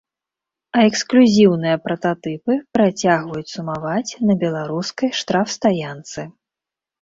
А эксклюзіўныя прататыпы працягваюць сумаваць на беларускай штрафстаянцы.